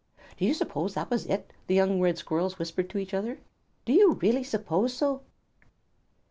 "Do you suppose that was it?" the young Red Squirrels whispered to each other. "Do you really suppose so?"